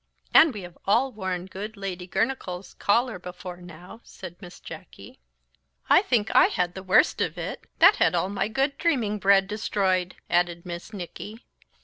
"And we have all worn good Lady Girnachgowl's collar before now," said Miss Jacky. "I think I had the worst of it, that had all my good dreaming bread destroyed," added Mis Nicky.